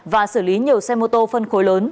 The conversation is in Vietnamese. và xử lý nhiều xe mô tô phân khối lớn